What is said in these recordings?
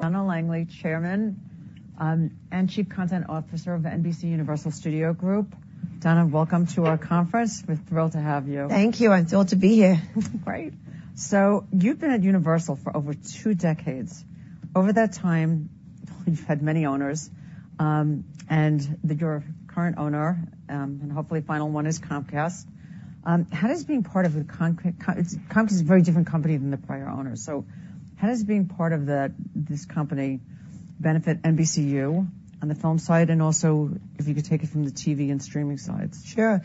Donna Langley, Chairman and Chief Content Officer of NBCUniversal Studio Group. Donna, welcome to our conference. We're thrilled to have you. Thank you. I'm thrilled to be here. Great. So you've been at Universal for over two decades. Over that time, you've had many owners, and that your current owner, and hopefully final one is Comcast. How does being part of a Comcast is a very different company than the prior owners, so how does being part of this company benefit NBCU on the film side, and also if you could take it from the TV and streaming sides? Sure.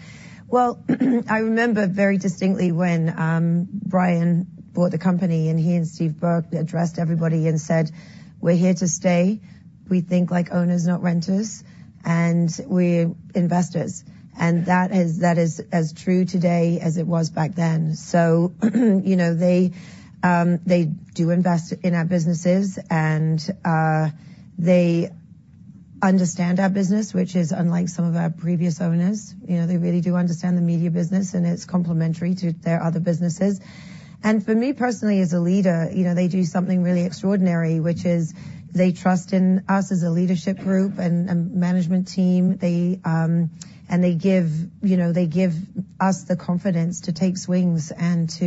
Well, I remember very distinctly when Brian bought the company, and he and Steve Burke addressed everybody and said, "We're here to stay. We think like owners, not renters, and we're investors," and that is as true today as it was back then, so you know, they do invest in our businesses, and they understand our business, which is unlike some of our previous owners, you know, they really do understand the media business, and it's complementary to their other businesses, and for me, personally, as a leader, you know, they do something really extraordinary, which is they trust in us as a leadership group and management team, and they give, you know, they give us the confidence to take swings and to,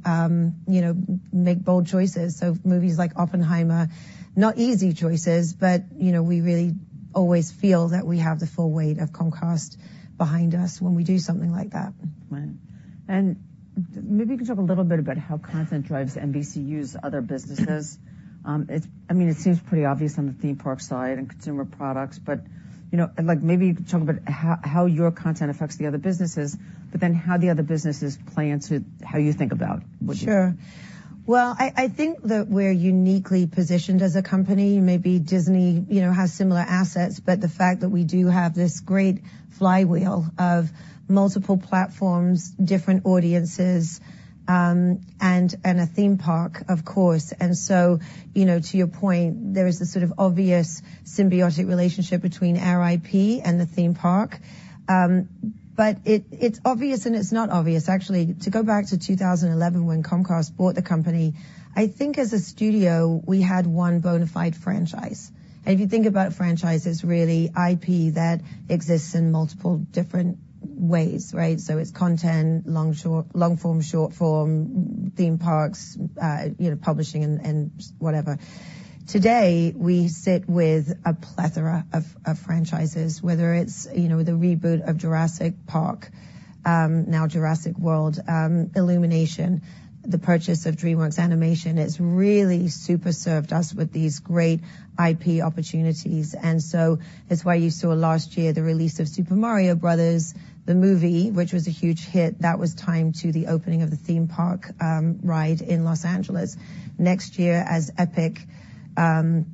you know, make bold choices. So movies like Oppenheimer, not easy choices, but, you know, we really always feel that we have the full weight of Comcast behind us when we do something like that. Right. And maybe you can talk a little bit about how content drives NBCU's other businesses. I mean, it seems pretty obvious on the theme park side and consumer products, but you know, and like, maybe you can talk about how your content affects the other businesses, but then how the other businesses play into how you think about what you- Sure. Well, I think that we're uniquely positioned as a company. Maybe Disney, you know, has similar assets, but the fact that we do have this great flywheel of multiple platforms, different audiences, and a theme park, of course. You know, to your point, there is this sort of obvious symbiotic relationship between our IP and the theme park. But it's obvious, and it's not obvious. Actually, to go back to two thousand and eleven, when Comcast bought the company, I think as a studio, we had one bona fide franchise. And if you think about franchises, really IP that exists in multiple different ways, right? So it's content, long form, short form, theme parks, you know, publishing and just whatever. Today, we sit with a plethora of franchises, whether it's, you know, the reboot of Jurassic Park, now Jurassic World. Illumination, the purchase of DreamWorks Animation, has really super served us with these great IP opportunities, and so that's why you saw last year the release of Super Mario Bros., the movie, which was a huge hit, that was timed to the opening of the theme park, ride in Los Angeles. Next year, as Epic Land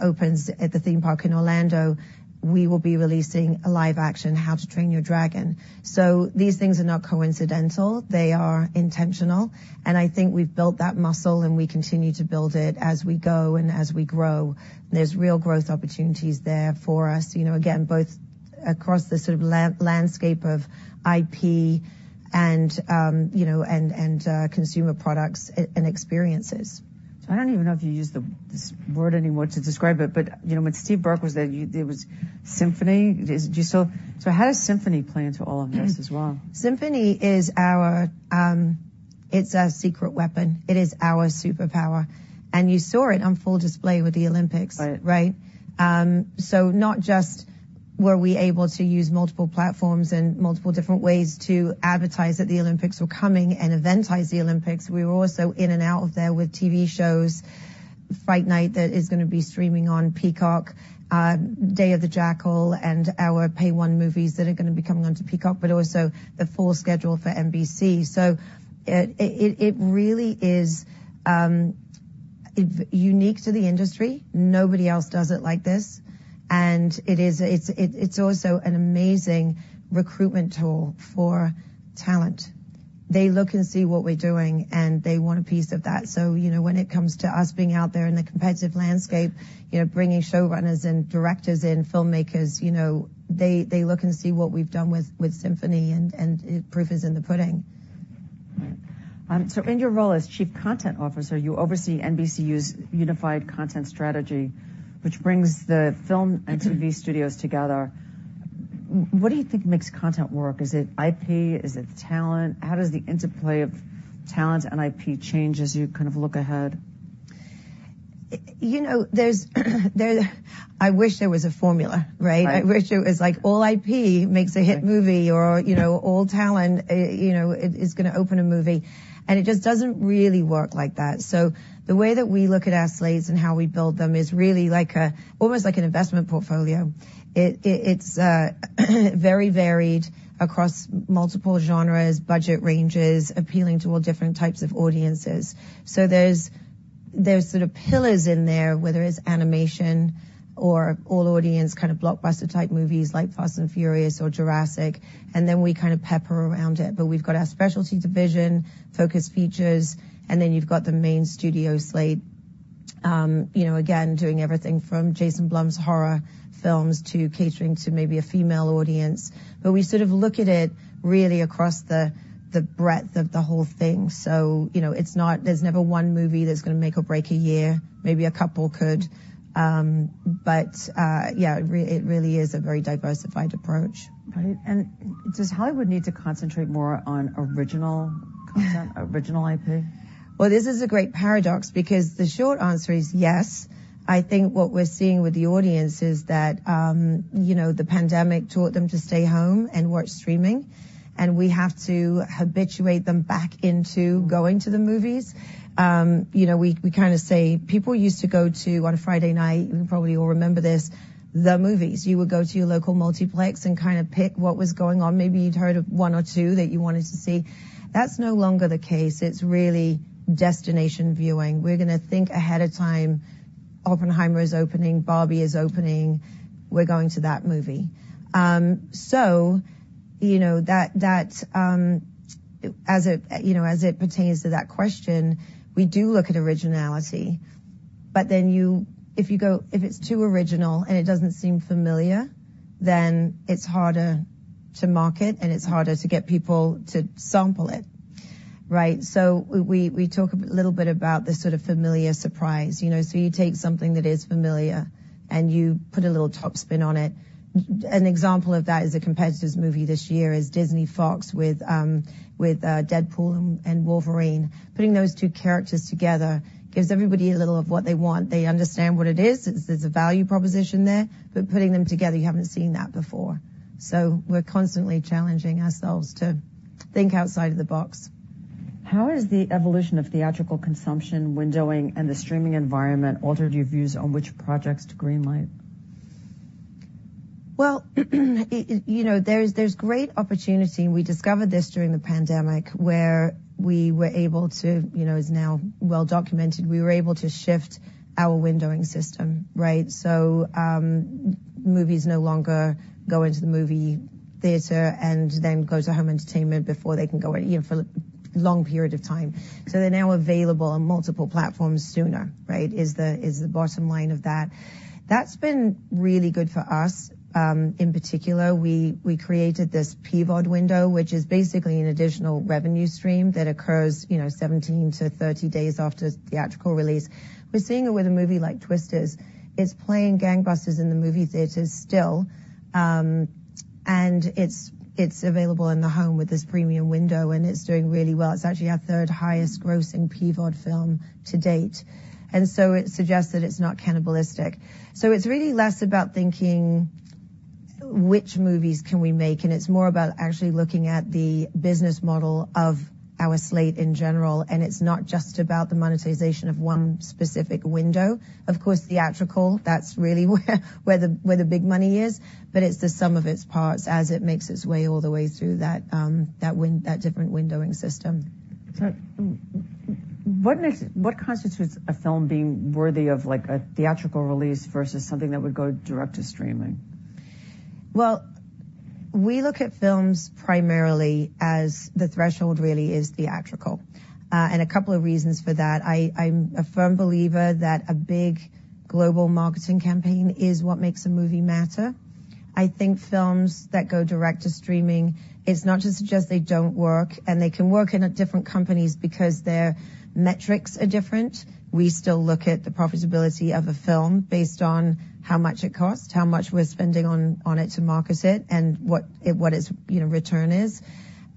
opens at the theme park in Orlando, we will be releasing a live action How to Train Your Dragon. So these things are not coincidental. They are intentional, and I think we've built that muscle, and we continue to build it as we go and as we grow. There's real growth opportunities there for us. You know, again, both across the sort of landscape of IP and, you know, and consumer products and experiences. So I don't even know if you use the, this word anymore to describe it, but, you know, when Steve Burke was there, you, it was Symphony? Do you still... So how does Symphony play into all of this as well? Symphony is our. It's our secret weapon. It is our superpower, and you saw it on full display with the Olympics. Right. Right? So not just were we able to use multiple platforms and multiple different ways to advertise that the Olympics were coming and eventize the Olympics, we were also in and out of there with TV shows. Fight Night, that is gonna be streaming on Peacock, Day of the Jackal, and our Pay One movies that are gonna be coming onto Peacock, but also the full schedule for NBC. So it really is, it's unique to the industry. Nobody else does it like this, and it is, it's also an amazing recruitment tool for talent. They look and see what we're doing, and they want a piece of that. So, you know, when it comes to us being out there in the competitive landscape, you know, bringing showrunners and directors in, filmmakers, you know, they look and see what we've done with Symphony, and proof is in the pudding. So in your role as Chief Content Officer, you oversee NBCU's unified content strategy, which brings the film- Mm-hmm. and TV studios together. What do you think makes content work? Is it IP? Is it talent? How does the interplay of talent and IP change as you kind of look ahead? You know, there's... I wish there was a formula, right? Right. I wish it was like all IP makes a hit movie or, you know, all talent, you know, is gonna open a movie, and it just doesn't really work like that. So the way that we look at our slates and how we build them is really like a, almost like an investment portfolio. It's very varied across multiple genres, budget ranges, appealing to all different types of audiences. So there's sort of pillars in there, whether it's animation or all audience, kind of blockbuster-type movies like Fast & Furious or Jurassic, and then we kind of pepper around it. But we've got our specialty division, Focus Features, and then you've got the main studio slate. You know, again, doing everything from Jason Blum's horror films to catering to maybe a female audience. But we sort of look at it really across the breadth of the whole thing. So, you know, it's not. There's never one movie that's gonna make or break a year. Maybe a couple could, but yeah, it really is a very diversified approach. Got it. And does Hollywood need to concentrate more on original content, original IP? This is a great paradox, because the short answer is yes. I think what we're seeing with the audience is that, you know, the pandemic taught them to stay home and watch streaming, and we have to habituate them back into going to the movies. You know, we kind of say people used to go to on a Friday night. You probably all remember this, the movies. You would go to your local multiplex and kind of pick what was going on. Maybe you'd heard of one or two that you wanted to see. That's no longer the case. It's really destination viewing. We're gonna think ahead of time. Oppenheimer is opening, Barbie is opening, we're going to that movie. So, you know, that as it, you know, as it pertains to that question, we do look at originality, but then you, if you go... If it's too original, and it doesn't seem familiar, then it's harder to market, and it's harder to get people to sample it, right? So we talk a little bit about the sort of familiar surprise. You know, so you take something that is familiar, and you put a little top spin on it. An example of that is a competitive movie this year is Disney Fox, with Deadpool & Wolverine. Putting those two characters together gives everybody a little of what they want. They understand what it is. There's a value proposition there, but putting them together, you haven't seen that before. So we're constantly challenging ourselves to think outside of the box. How has the evolution of theatrical consumption, windowing, and the streaming environment altered your views on which projects to greenlight? You know, there's great opportunity, and we discovered this during the pandemic, where we were able to, you know, it's now well documented, we were able to shift our windowing system, right? So, movies no longer go into the movie theater and then go to home entertainment before they can go in for a long period of time. So they're now available on multiple platforms sooner, right? Is the bottom line of that. That's been really good for us. In particular, we created this PVOD window, which is basically an additional revenue stream that occurs, you know, seventeen to thirty days after theatrical release. We're seeing it with a movie like Twisters. It's playing gangbusters in the movie theaters still, and it's available in the home with this premium window, and it's doing really well. It's actually our third highest grossing PVOD film to date, and so it suggests that it's not cannibalistic. So it's really less about thinking which movies can we make, and it's more about actually looking at the business model of our slate in general, and it's not just about the monetization of one specific window. Of course, theatrical, that's really where the big money is, but it's the sum of its parts as it makes its way all the way through that different windowing system. What constitutes a film being worthy of, like, a theatrical release versus something that would go direct to streaming? We look at films primarily as the threshold really is theatrical, and a couple of reasons for that. I'm a firm believer that a big global marketing campaign is what makes a movie matter. I think films that go direct to streaming. It's not to suggest they don't work, and they can work at different companies because their metrics are different. We still look at the profitability of a film based on how much it costs, how much we're spending on it to market it, and what its, you know, return is,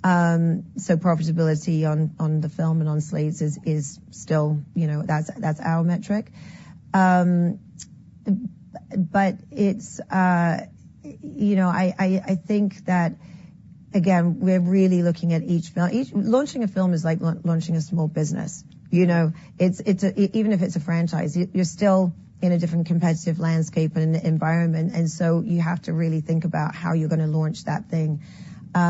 so profitability on the film and on slates is still, you know, that's our metric, but it's, you know, I think that, again, we're really looking at each film. Launching a film is like launching a small business. You know, it's even if it's a franchise, you're still in a different competitive landscape and environment, and so you have to really think about how you're gonna launch that thing.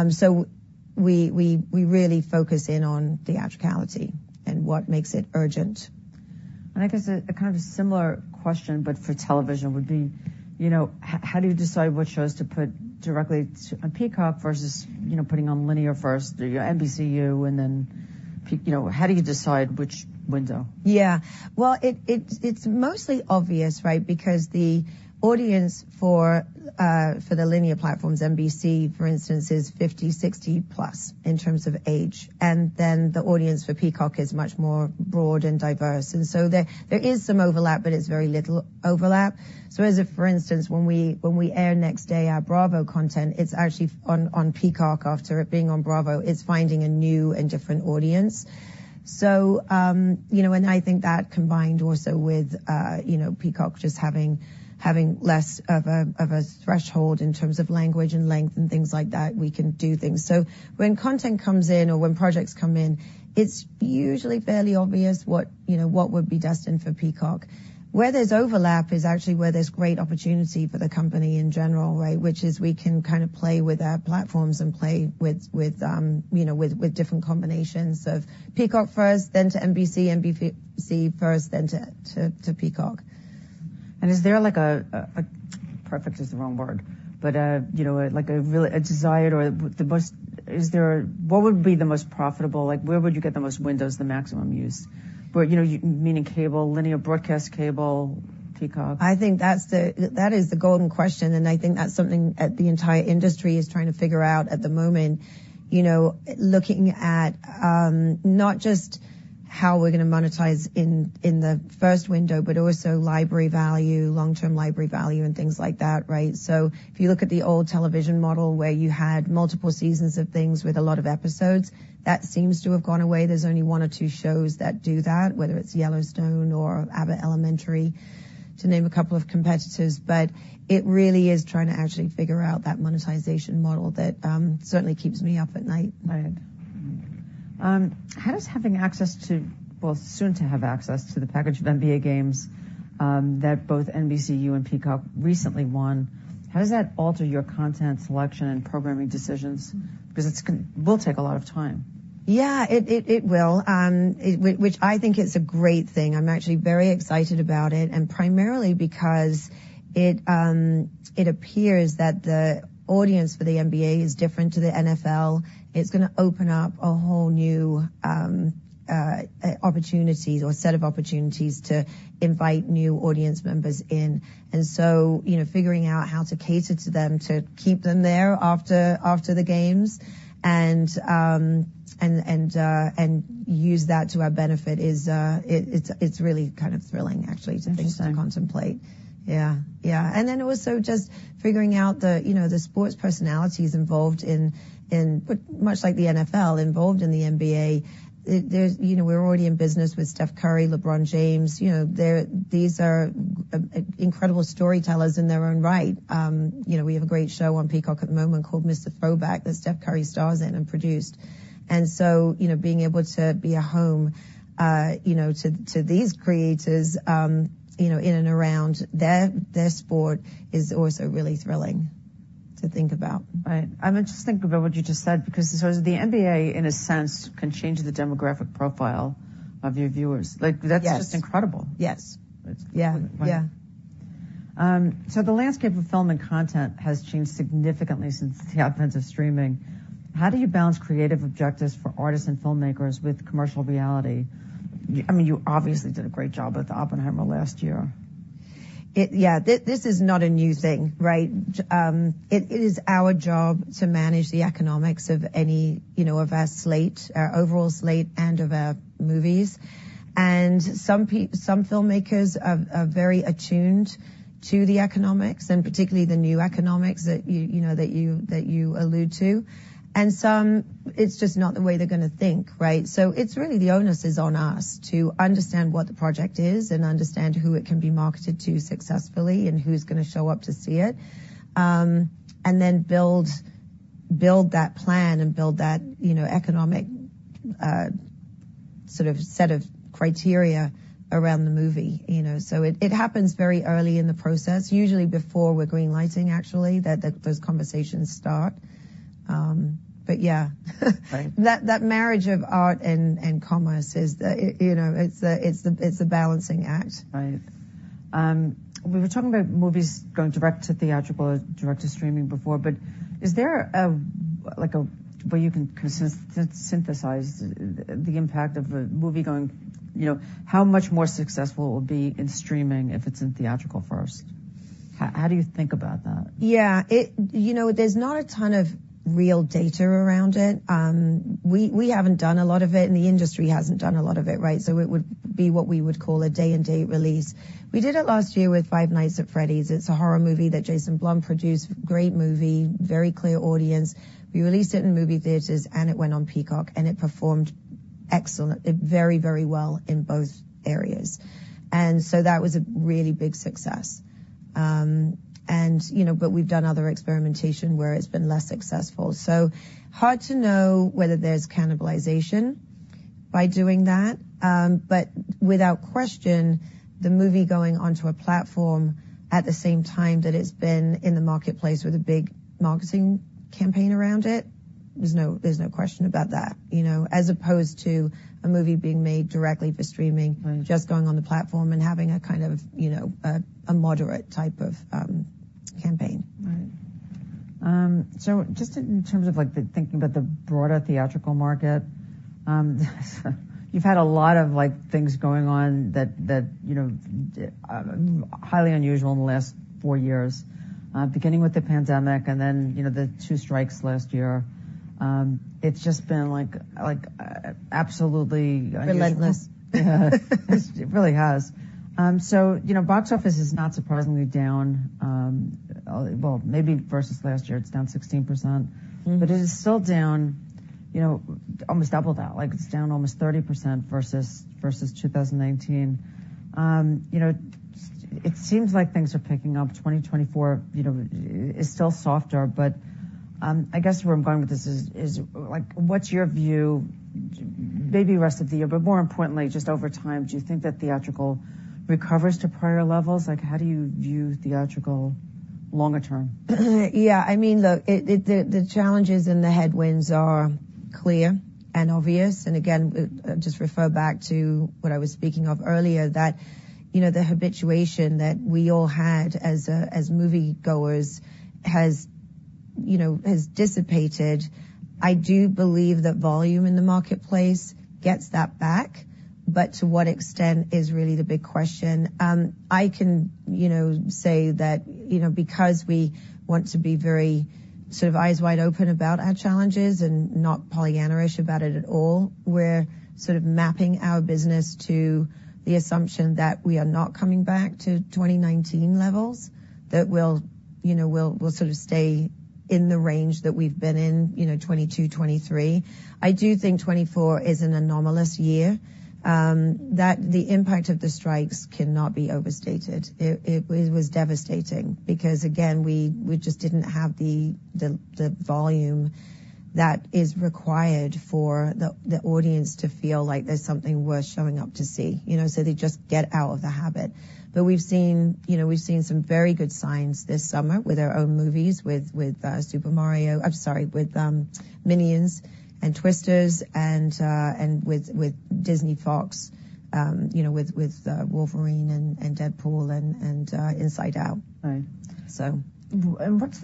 So we really focus in on theatricality and what makes it urgent. I guess a kind of a similar question, but for television would be, you know, how do you decide what shows to put directly on Peacock versus, you know, putting on linear first through your NBCU and then, you know, how do you decide which window? Yeah. Well, it, it's mostly obvious, right? Because the audience for the linear platforms, NBC, for instance, is 50, 60 plus in terms of age, and then the audience for Peacock is much more broad and diverse. And so there is some overlap, but it's very little overlap. So as a for instance, when we air next day, our Bravo content, it's actually on Peacock after it being on Bravo, it's finding a new and different audience. So, you know, and I think that combined also with, you know, Peacock just having less of a threshold in terms of language and length and things like that, we can do things. So when content comes in or when projects come in, it's usually fairly obvious what, you know, what would be destined for Peacock. Where there's overlap is actually where there's great opportunity for the company in general, right? Which is we can kind of play with our platforms and play with, with, you know, with different combinations of Peacock first, then to NBC, NBC first, then to Peacock. And is there like a perfect? Perfect is the wrong word, but you know, like a really desired or the most profitable? Like, where would you get the most windows, the maximum use? Where, you know, meaning cable, linear broadcast cable, Peacock. I think that's the, that is the golden question, and I think that's something that the entire industry is trying to figure out at the moment. You know, looking at, not just how we're gonna monetize in the first window, but also library value, long-term library value, and things like that, right? So if you look at the old television model, where you had multiple seasons of things with a lot of episodes, that seems to have gone away. There's only one or two shows that do that, whether it's Yellowstone or Abbott Elementary, to name a couple of competitors. But it really is trying to actually figure out that monetization model that, certainly keeps me up at night. Right. How does having access to... Well, soon to have access to the package of NBA games that both NBCU and Peacock recently won, how does that alter your content selection and programming decisions? Because it will take a lot of time. Yeah, it will. Which I think is a great thing. I'm actually very excited about it, and primarily because it appears that the audience for the NBA is different to the NFL. It's gonna open up a whole new opportunity or set of opportunities to invite new audience members in. And so, you know, figuring out how to cater to them, to keep them there after the games, and use that to our benefit is. It's really kind of thrilling, actually, to think to contemplate. Interesting. Yeah. Yeah, and then also just figuring out the, you know, the sports personalities involved in much like the NFL, involved in the NBA. There's, you know, we're already in business with Steph Curry, LeBron James. You know, they're, these are incredible storytellers in their own right. You know, we have a great show on Peacock at the moment called Mr. Throwback, that Steph Curry stars in and produced. And so, you know, being able to be a home, you know, to these creators, you know, in and around their sport, is also really thrilling to think about. Right. I'm just thinking about what you just said, because the NBA, in a sense, can change the demographic profile of your viewers. Yes. Like, that's just incredible. Yes. It's- Yeah. Yeah. So the landscape of film and content has changed significantly since the advent of streaming. How do you balance creative objectives for artists and filmmakers with commercial reality? I mean, you obviously did a great job with Oppenheimer last year. Yeah, this is not a new thing, right? It is our job to manage the economics of any, you know, of our slate, our overall slate and of our movies. And some filmmakers are very attuned to the economics, and particularly the new economics that you know that you allude to. And some, it's just not the way they're gonna think, right? So it's really the onus is on us to understand what the project is and understand who it can be marketed to successfully and who's gonna show up to see it. And then build that plan and build that, you know, economic sort of set of criteria around the movie, you know? So it happens very early in the process, usually before we're green-lighting, actually, those conversations start. But yeah, Right. That marriage of art and commerce is, you know, it's a balancing act. Right. We were talking about movies going direct to theatrical or direct to streaming before, but is there a where you can synthesize the impact of a movie going, you know, how much more successful it will be in streaming if it's in theatrical first? How do you think about that? Yeah. You know, there's not a ton of real data around it. We haven't done a lot of it, and the industry hasn't done a lot of it, right? So it would be what we would call a day-and-date release. We did it last year with Five Nights at Freddy's. It's a horror movie that Jason Blum produced. Great movie, very clear audience. We released it in movie theaters, and it went on Peacock, and it performed excellent, very, very well in both areas. And so that was a really big success. You know, but we've done other experimentation where it's been less successful. So hard to know whether there's cannibalization by doing that, but without question, the movie going onto a platform at the same time that it's been in the marketplace with a big marketing campaign around it, there's no question about that, you know, as opposed to a movie being made directly for streaming- Right... just going on the platform and having a kind of, you know, a moderate type of campaign. Right. So just in terms of, like, the thinking about the broader theatrical market, you've had a lot of, like, things going on that, that you know, highly unusual in the last four years, beginning with the pandemic and then, you know, the two strikes last year. It's just been like, absolutely- Relentless. Yeah, it really has. So, you know, box office is not surprisingly down, well, maybe versus last year, it's down 16%. Mm-hmm. But it is still down, you know, almost double that. Like, it's down almost 30% versus 2019. You know, it seems like things are picking up. 2024, you know, is still softer, but, I guess where I'm going with this is, like, what's your view, maybe rest of the year, but more importantly, just over time, do you think that theatrical recovers to prior levels? Like, how do you view theatrical? ... Yeah, I mean, the challenges and the headwinds are clear and obvious, and again, just refer back to what I was speaking of earlier, that you know, the habituation that we all had as moviegoers has you know dissipated. I do believe that volume in the marketplace gets that back, but to what extent is really the big question. I can you know say that you know, because we want to be very sort of eyes wide open about our challenges and not Pollyanna-ish about it at all, we're sort of mapping our business to the assumption that we are not coming back to 2019 levels, that we'll you know we'll sort of stay in the range that we've been in you know, 2022, 2023. I do think 2024 is an anomalous year. That the impact of the strikes cannot be overstated. It was devastating because, again, we just didn't have the volume that is required for the audience to feel like there's something worth showing up to see, you know, so they just get out of the habit. But we've seen, you know, some very good signs this summer with our own movies, with Super Mario... I'm sorry, with Minions and Twisters and with Disney Fox, you know, with Wolverine and Deadpool and Inside Out. Right. So. What's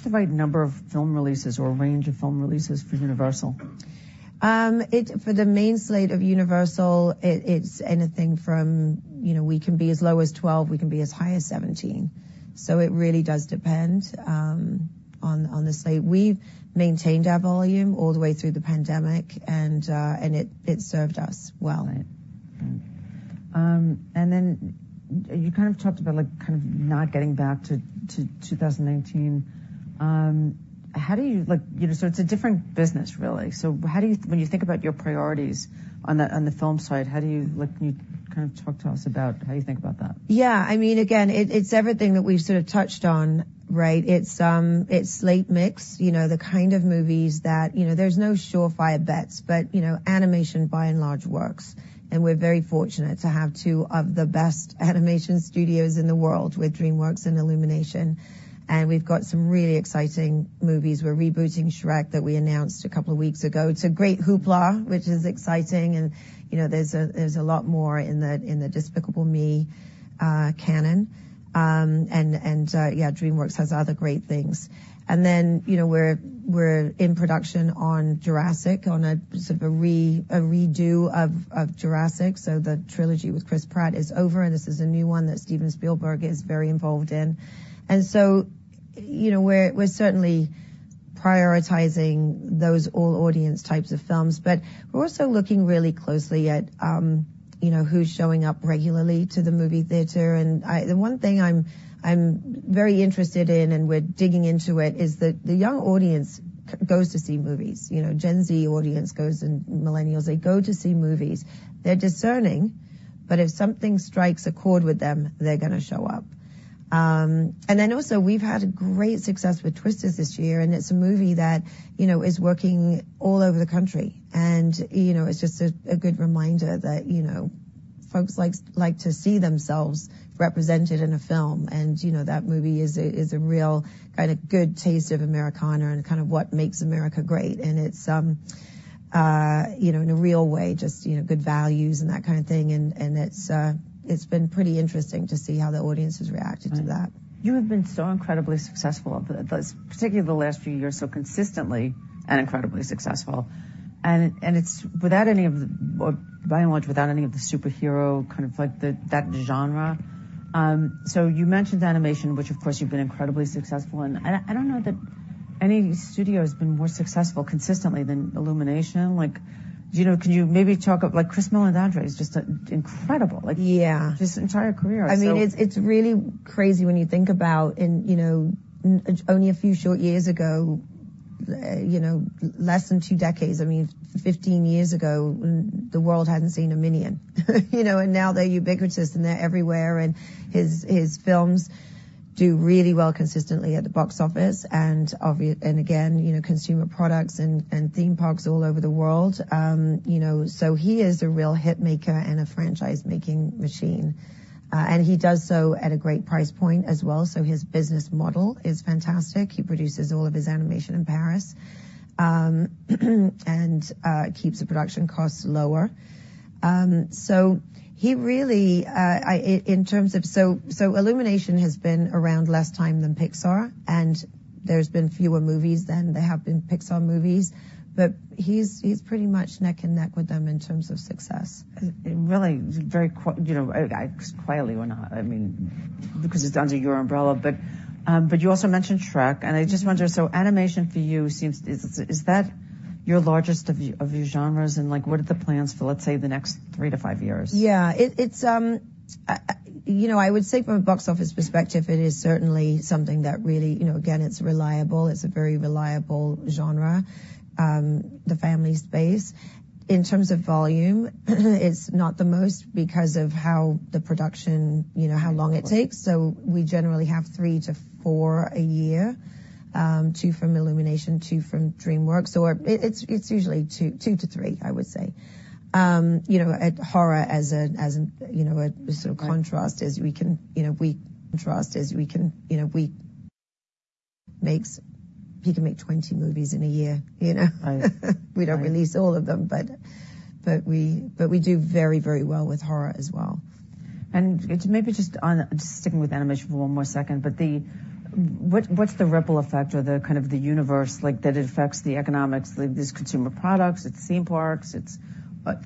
the right number of film releases or range of film releases for Universal? For the main slate of Universal, it's anything from, you know, we can be as low as 12, we can be as high as 17. So it really does depend on the slate. We've maintained our volume all the way through the pandemic, and it served us well. Right. And then you kind of talked about like, kind of not getting back to 2018. How do you, like, you know, so it's a different business, really. So how do you, when you think about your priorities on the film side, how do you, like, can you kind of talk to us about how you think about that? Yeah, I mean, again, it, it's everything that we've sort of touched on, right? It's, it's slate mix, you know, the kind of movies that, you know, there's no surefire bets, but, you know, animation, by and large, works, and we're very fortunate to have two of the best animation studios in the world with DreamWorks and Illumination, and we've got some really exciting movies. We're rebooting Shrek that we announced a couple of weeks ago. It's a great hoopla, which is exciting, and, you know, there's a lot more in the Despicable Me canon. And yeah, DreamWorks has other great things. And then, you know, we're in production on a sort of a redo of Jurassic. So the trilogy with Chris Pratt is over, and this is a new one that Steven Spielberg is very involved in. And so, you know, we're certainly prioritizing those all audience types of films, but we're also looking really closely at, you know, who's showing up regularly to the movie theater. And the one thing I'm very interested in, and we're digging into it, is that the young audience goes to see movies. You know, Gen Z audience goes, and Millennials, they go to see movies. They're discerning, but if something strikes a chord with them, they're gonna show up. And then also, we've had great success with Twisters this year, and it's a movie that, you know, is working all over the country. You know, it's just a good reminder that, you know, folks like to see themselves represented in a film. You know, that movie is a real kind of good taste of Americana and kind of what makes America great. It's you know, in a real way, just, you know, good values and that kind of thing, and it's been pretty interesting to see how the audience has reacted to that. You have been so incredibly successful, but particularly the last few years, so consistently and incredibly successful, and it's without any of the... Well, by and large, without any of the superhero, kind of like the, that genre. So you mentioned animation, which, of course, you've been incredibly successful in. I don't know that any studio has been more successful consistently than Illumination. Like, you know, can you maybe talk about, like, Chris Meledandri is just incredible- Yeah. -like, his entire career. I mean, it's really crazy when you think about, you know, only a few short years ago, you know, less than two decades, I mean, fifteen years ago, the world hadn't seen a Minion. You know, and now they're ubiquitous, and they're everywhere, and his films do really well consistently at the box office. And again, you know, consumer products and theme parks all over the world. You know, so he is a real hit maker and a franchise-making machine, and he does so at a great price point as well. So his business model is fantastic. He produces all of his animation in Paris, and keeps the production costs lower. So he really, Illumination has been around less time than Pixar, and there's been fewer movies than there have been Pixar movies, but he's pretty much neck and neck with them in terms of success. Really, you know, quietly, I mean, because it's under your umbrella. But you also mentioned Shrek, and I just wonder, so animation for you seems, is that your largest of your genres, and like, what are the plans for, let's say, the next three to five years? Yeah, it's, you know, I would say from a box office perspective, it is certainly something that really, you know, again, it's reliable. It's a very reliable genre, the family space. In terms of volume, it's not the most because of how the production, you know, how long it takes. So we generally have three to four a year. Two from Illumination, two from DreamWorks, or it's usually two to three, I would say. You know, and horror as an, you know, a sort of contrast- Right You know, we can make twenty movies in a year, you know? Right. We don't release all of them, but we do very, very well with horror as well. And maybe just on sticking with animation for one more second, but what, what's the ripple effect or the kind of the universe like that affects the economics? Like, there's consumer products, it's theme parks, it's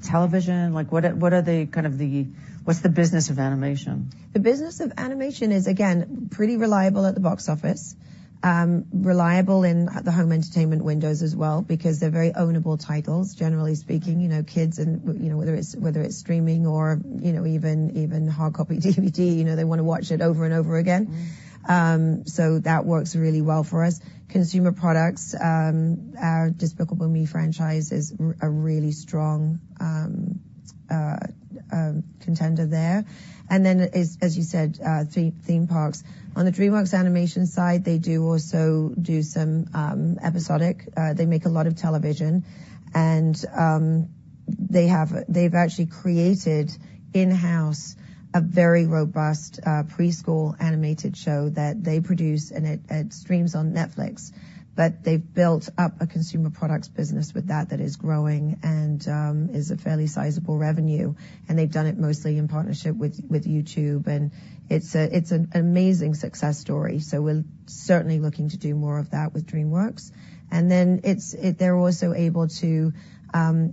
television. Like, what are, what are the kind of the what's the business of animation? The business of animation is, again, pretty reliable at the box office. Reliable in at the home entertainment windows as well, because they're very ownable titles, generally speaking. You know, kids and, you know, whether it's streaming or, you know, even hard copy DVD, you know, they want to watch it over and over again. Mm-hmm. So that works really well for us. Consumer products, our Despicable Me franchise is a really strong contender there. And then as you said, theme parks. On the DreamWorks Animation side, they do also do some episodic. They make a lot of television, and they've actually created, in-house, a very robust preschool animated show that they produce, and it streams on Netflix. But they've built up a consumer products business with that that is growing and is a fairly sizable revenue, and they've done it mostly in partnership with YouTube, and it's an amazing success story. So we're certainly looking to do more of that with DreamWorks. And then they're also able to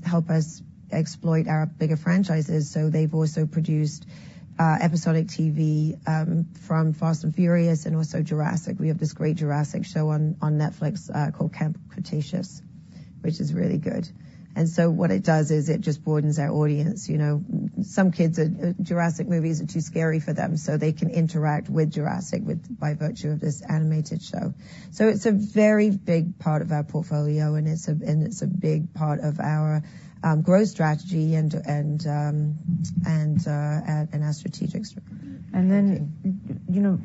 help us exploit our bigger franchises, so they've also produced episodic TV from Fast & Furious and also Jurassic. We have this great Jurassic show on Netflix called Camp Cretaceous, which is really good. And so what it does is it just broadens our audience. You know, some kids, Jurassic movies are too scary for them, so they can interact with Jurassic by virtue of this animated show. So it's a very big part of our portfolio, and it's a big part of our growth strategy and our strategy. And then, you know,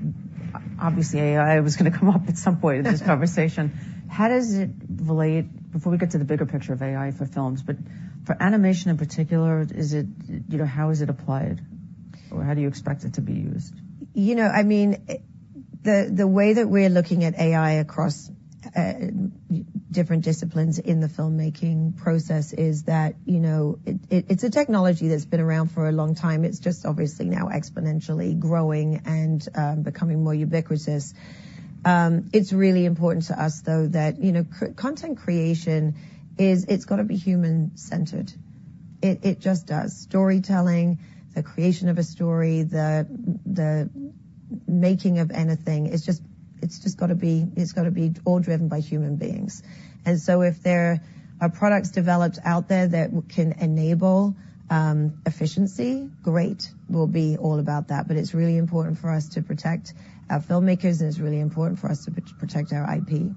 obviously, AI was gonna come up at some point in this conversation. How does it relate... Before we get to the bigger picture of AI for films, but for animation in particular, is it, you know, how is it applied? Or how do you expect it to be used? You know, I mean, the way that we're looking at AI across different disciplines in the filmmaking process is that, you know, it, it's a technology that's been around for a long time. It's just obviously now exponentially growing and becoming more ubiquitous. It's really important to us, though, that, you know, content creation is, it's gotta be human-centered. It, it just does. Storytelling, the creation of a story, the making of anything, it's just, it's just gotta be, it's gotta be all driven by human beings, and so if there are products developed out there that can enable efficiency, great, we'll be all about that, but it's really important for us to protect our filmmakers, and it's really important for us to protect our IP.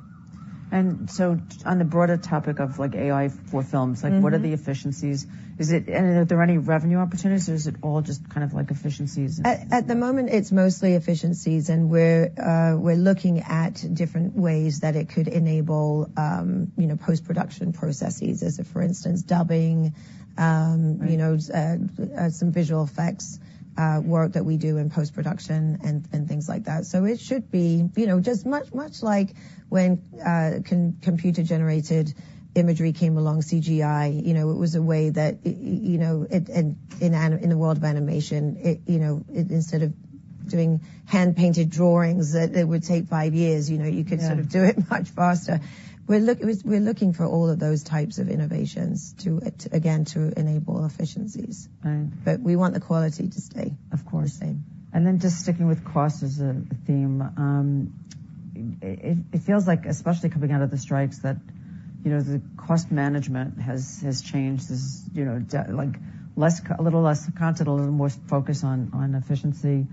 And so, on the broader topic of, like, AI for films... Mm-hmm. Like, what are the efficiencies? Is it... And are there any revenue opportunities, or is it all just kind of like efficiencies? At the moment, it's mostly efficiencies, and we're looking at different ways that it could enable, you know, post-production processes. As for instance, dubbing. Right You know, some visual effects work that we do in post-production and things like that. So it should be, you know, just much, much like when computer-generated imagery came along, CGI, you know, it was a way that you know, in the world of animation, it, you know, instead of doing hand-painted drawings that it would take five years, you know- Yeah -you could sort of do it much faster. We're looking for all of those types of innovations to, again, to enable efficiencies. Right. But we want the quality to stay- Of course -the same. And then just sticking with cost as a theme, it feels like, especially coming out of the strikes, that, you know, the cost management has changed. There's, you know, like, less, a little less content, a little more focus on efficiency.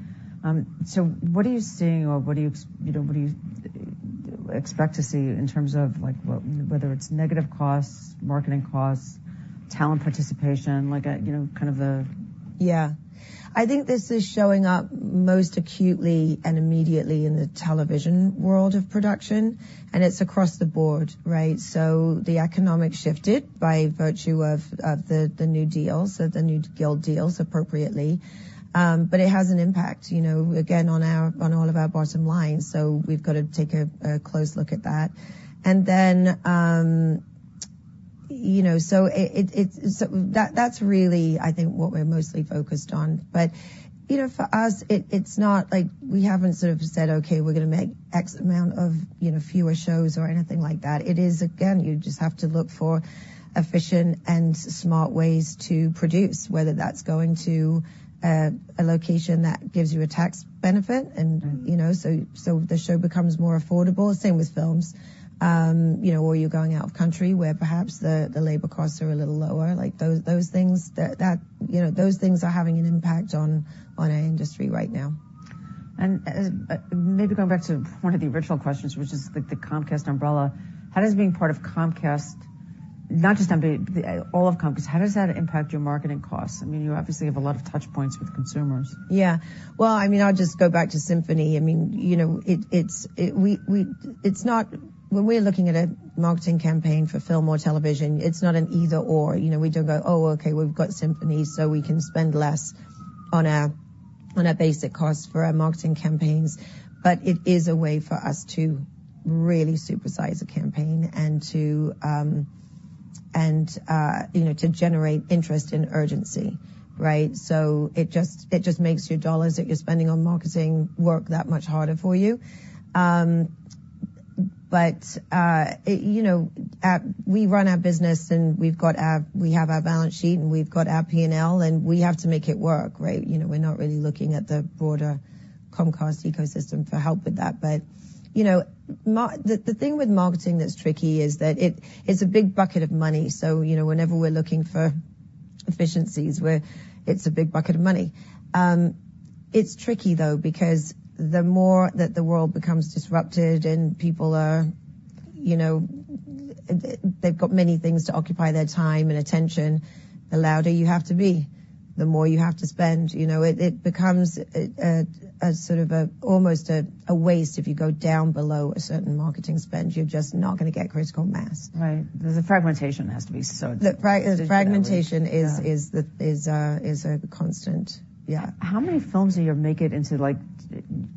So what are you seeing or what do you expect to see in terms of like, whether it's negative costs, marketing costs, talent participation, like, you know, kind of a- Yeah. I think this is showing up most acutely and immediately in the television world of production, and it's across the board, right? So the economics shifted by virtue of the new deals, so the new guild deals, appropriately. But it has an impact, you know, again, on all of our bottom lines, so we've got to take a close look at that. And then, you know, so that's really, I think, what we're mostly focused on. But, you know, for us, it's not like we haven't sort of said, "Okay, we're gonna make X amount of, you know, fewer shows," or anything like that. It is, again, you just have to look for efficient and smart ways to produce, whether that's going to a location that gives you a tax benefit and- Mm-hmm -you know, so the show becomes more affordable. Same with films. You know, or you're going out of country, where perhaps the labor costs are a little lower. Like, those things, you know, those things are having an impact on our industry right now. Maybe going back to one of the original questions, which is, like, the Comcast umbrella. How does being part of Comcast, not just NBC, all of Comcast, how does that impact your marketing costs? I mean, you obviously have a lot of touch points with consumers. Yeah. Well, I mean, I'll just go back to Symphony. I mean, you know, it's not. When we're looking at a marketing campaign for film or television, it's not an either/or. You know, we don't go, "Oh, okay, we've got Symphony, so we can spend less on our basic costs for our marketing campaigns." But it is a way for us to really supersize a campaign and to generate interest and urgency, right? So it just makes your dollars that you're spending on marketing work that much harder for you. But you know, we run our business, and we've got our balance sheet, and we've got our P&L, and we have to make it work, right? You know, we're not really looking at the broader Comcast ecosystem for help with that. But, you know, the thing with marketing that's tricky is that it's a big bucket of money, so, you know, whenever we're looking for efficiencies, it's a big bucket of money. It's tricky, though, because the more that the world becomes disrupted and people are, you know, they've got many things to occupy their time and attention, the louder you have to be, the more you have to spend. You know, it becomes a sort of almost a waste if you go down below a certain marketing spend. You're just not gonna get critical mass. Right. The fragmentation has to be so- The fragmentation- Yeah -is the is a constant, yeah. How many films a year make it into, like,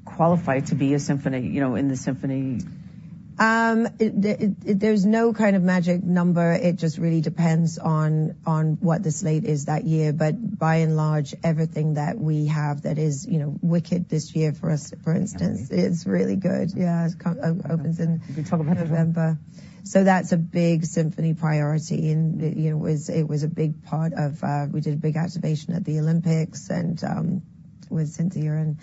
qualify to be a Symphony, you know, in the Symphony? There's no kind of magic number. It just really depends on what the slate is that year. But by and large, everything that we have that is, you know, Wicked this year, for us, for instance, is really good. Yeah. It kind of opens in- We can talk about it. -November. So that's a big Symphony priority, and, you know, it was a big part of we did a big activation at the Olympics and with Cynthia and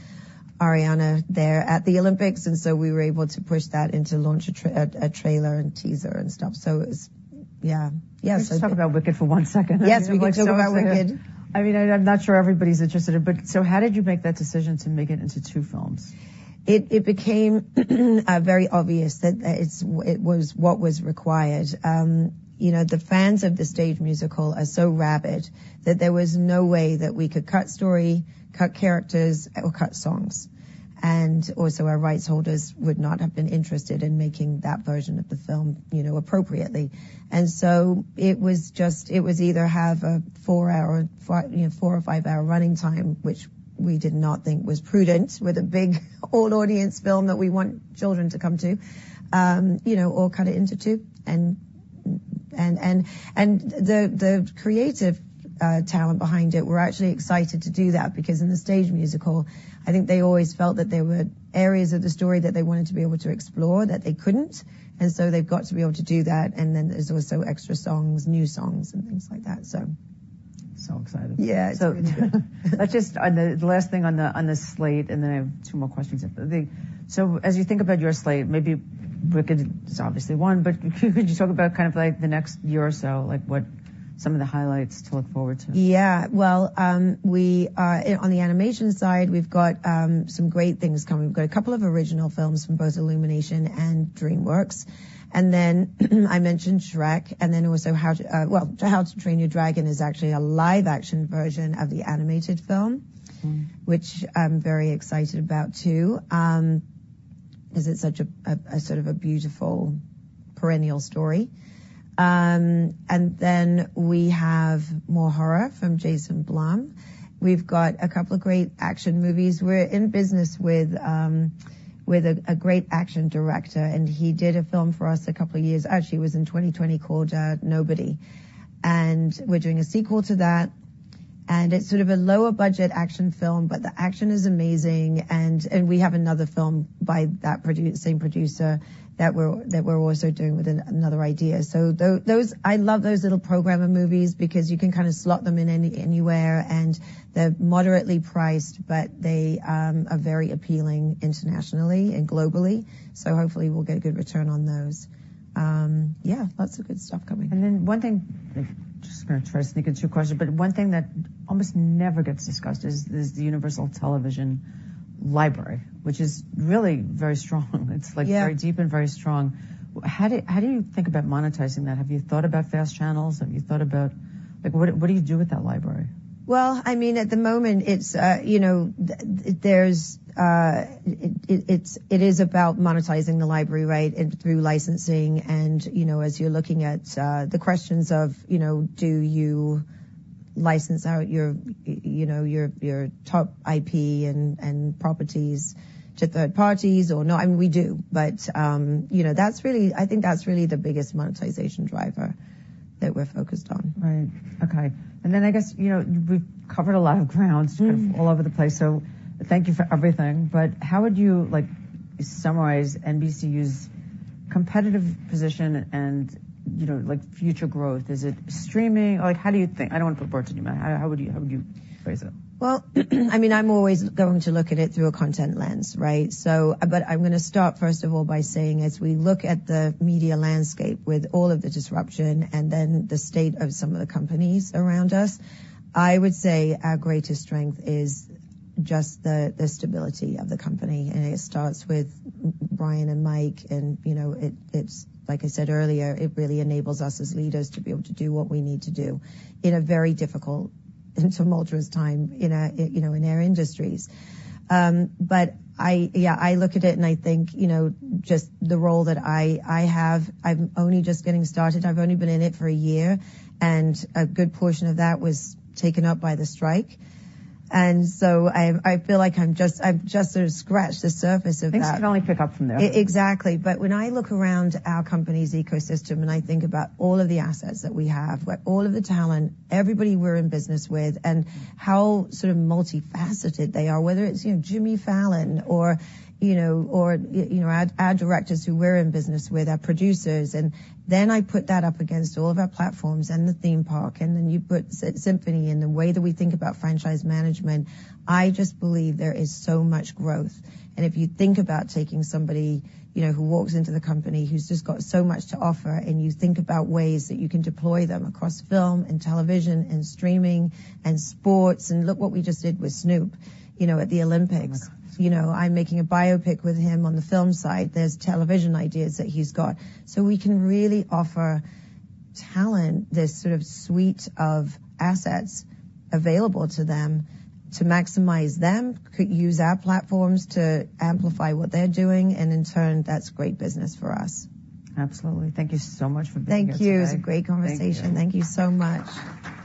Ariana there at the Olympics, and so we were able to push that and to launch a trailer and teaser and stuff. So it was... Yeah. Yeah, so- Let's talk about Wicked for one second. Yes, we can talk about Wicked. I mean, I'm not sure everybody's interested, but so how did you make that decision to make it into two films? It became very obvious that it was what was required. You know, the fans of the stage musical are so rabid that there was no way that we could cut story, cut characters, or cut songs. And also, our rights holders would not have been interested in making that version of the film, you know, appropriately. And so it was either have a four-hour, you know, four or five-hour running time, which we did not think was prudent with a big all-audience film that we want children to come to, you know, or cut it into two. The creative talent behind it were actually excited to do that because in the stage musical, I think they always felt that there were areas of the story that they wanted to be able to explore that they couldn't, and so they've got to be able to do that, and then there's also extra songs, new songs, and things like that, so. So excited. Yeah, it's good. On the last thing on the slate, and then I have two more questions. So as you think about your slate, maybe Wicked is obviously one, but could you talk about kind of, like, the next year or so, like, what some of the highlights to look forward to? Yeah. Well, we on the animation side, we've got some great things coming. We've got a couple of original films from both Illumination and DreamWorks. And then, I mentioned Shrek, and then also How to Train Your Dragon is actually a live-action version of the animated film- Mm-hmm -which I'm very excited about, too, because it's such a sort of a beautiful perennial story. And then we have more horror from Jason Blum. We've got a couple of great action movies. We're in business with a great action director, and he did a film for us a couple of years, actually, it was in 2020, called Nobody. And we're doing a sequel to that, and it's sort of a lower-budget action film, but the action is amazing, and we have another film by that same producer that we're also doing with another idea. So those, I love those little programmer movies because you can kind of slot them in anywhere, and they're moderately priced, but they are very appealing internationally and globally, so hopefully we'll get a good return on those. Yeah, lots of good stuff coming. And then one thing, just gonna try to sneak in two questions, but one thing that almost never gets discussed is the Universal Television library, which is really very strong. Yeah. It's, like, very deep and very strong. How do you think about monetizing that? Have you thought about FAST channels? Have you thought about... Like, what do you do with that library? Well, I mean, at the moment, it's, you know, it is about monetizing the library, right, and through licensing. And, you know, as you're looking at the questions of, you know, do you license out your, you know, your top IP and properties to third parties or not? I mean, we do, but, you know, that's really, I think that's really the biggest monetization driver that we're focused on. Right. Okay. And then I guess, you know, we've covered a lot of ground- Mm -sort of all over the place, so thank you for everything. But how would you, like, summarize NBCU's competitive position and, you know, like, future growth? Is it streaming? Or like, how do you think? I don't want to put words in your mouth. How would you phrase it? I mean, I'm always going to look at it through a content lens, right? So, but I'm gonna start, first of all, by saying as we look at the media landscape with all of the disruption and then the state of some of the companies around us, I would say our greatest strength is just the stability of the company, and it starts with Brian and Mike, and, you know, it's, like I said earlier, it really enables us as leaders to be able to do what we need to do in a very difficult and tumultuous time in, you know, in our industries. But I... Yeah, I look at it and I think, you know, just the role that I have, I'm only just getting started. I've only been in it for a year, and a good portion of that was taken up by the strike, and so I feel like I've just sort of scratched the surface of that. Things can only pick up from there. Exactly. But when I look around our company's ecosystem, and I think about all of the assets that we have, where all of the talent, everybody we're in business with, and how sort of multifaceted they are, whether it's, you know, Jimmy Fallon or, you know, or, you know, our directors who we're in business with, our producers. And then I put that up against all of our platforms and the theme park, and then you put Symphony and the way that we think about franchise management, I just believe there is so much growth. And if you think about taking somebody, you know, who walks into the company, who's just got so much to offer, and you think about ways that you can deploy them across film and television and streaming and sports, and look what we just did with Snoop, you know, at the Olympics. Oh, my God! You know, I'm making a biopic with him on the film side. There's television ideas that he's got. So we can really offer talent, this sort of suite of assets available to them to maximize them, could use our platforms to amplify what they're doing, and in turn, that's great business for us. Absolutely. Thank you so much for being here today. Thank you. It was a great conversation. Thank you. Thank you so much.